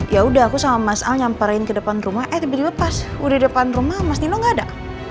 yaudah aku sama mas al nyamperin ke depan rumah eh lebih lepas udah depan rumah mas nino gak ada